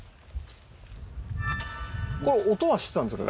これ音はしてたんですか？